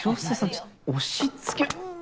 ちょっと押し付けうぅ。